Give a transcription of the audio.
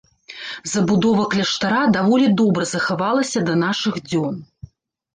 Забудова кляштара даволі добра захавалася да нашых дзён.